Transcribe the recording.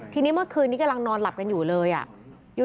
ทีนี้เมื่อคืนนี้กำลังนอนหลับกันอยู่เลยอ่ะ